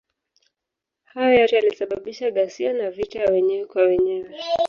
Hayo yote yalisababisha ghasia na vita ya wenyewe kwa wenyewe.